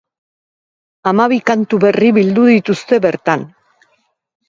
Hamabi kantu berri bildu dituzte bertan.